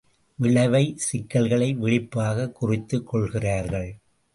விளைவை, சிக்கல்களை, விழிப்பாகக் குறித்துக் கொள்கிறார்கள்.